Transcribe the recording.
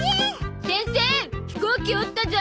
先生飛行機折ったゾ。